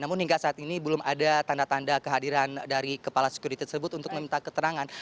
namun hingga saat ini belum ada tanda tanda kehadiran dari kepala security tersebut untuk meminta keterangan